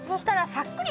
さっくり。